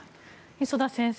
磯田先生